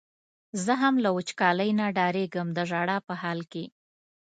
زه هم له وچکالۍ نه ډارېږم د ژړا په حال کې.